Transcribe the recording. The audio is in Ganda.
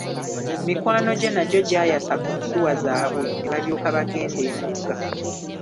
Mikwano gye nagyo gyayasa ku nsuwa zaabwe ne balyoka bagendae emugga.